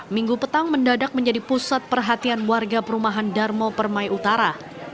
minggu petang mendadak menjadi pusat perhatian warga perumahan darmo permai utara